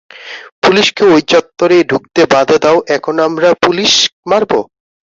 পুলিশকে ওই চত্বরে ঢুকতে বাধা দাও এখন আমরা পুলিশ মারবো?